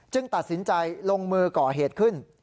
ตัดสินใจลงมือก่อเหตุขึ้น